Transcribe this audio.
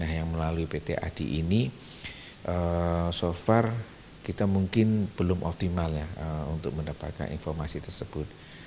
nah yang melalui pt adi ini so far kita mungkin belum optimal ya untuk mendapatkan informasi tersebut